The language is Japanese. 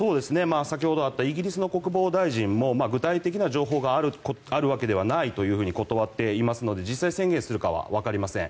先ほどあったイギリスの国防大臣も具体的な情報があるわけではないと断っていますので実際、宣言をするかは分かりません。